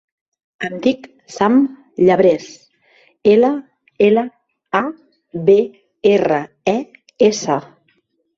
Em dic Sam Llabres: ela, ela, a, be, erra, e, essa.